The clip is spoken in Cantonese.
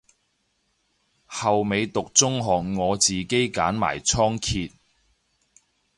後尾讀中學我自己練埋倉頡